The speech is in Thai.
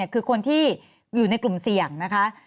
คือคนที่อยู่ในกลุ่มเสี่ยงนะคะ